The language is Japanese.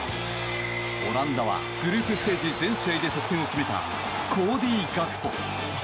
オランダはグループステージ全試合で得点を決めたコーディ・ガクポ。